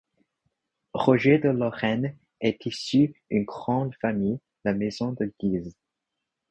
Roger de Lorraine est issue d'une grande famille, la Maison De Guise.